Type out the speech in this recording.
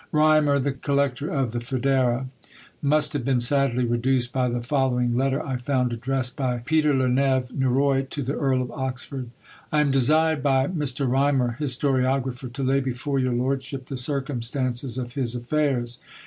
Rymer, the collector of the Foedera, must have been sadly reduced, by the following letter, I found addressed by Peter le Neve, Norroy, to the Earl of Oxford. "I am desired by Mr. Rymer, historiographer, to lay before your lordship the circumstances of his affairs.